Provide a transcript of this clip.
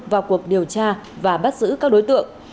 vào cuộc điều tra và bắt giữ các đối tượng